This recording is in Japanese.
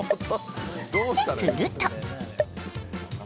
すると。